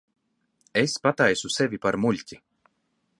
Es pataisu sevi par muļķi.